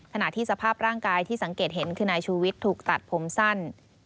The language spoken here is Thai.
ขณะที่สภาพร่างกายที่สังเกตเห็นคือนายชูวิทย์ถูกตัดผมสั้น